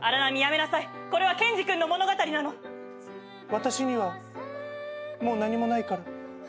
私にはもう何もないから。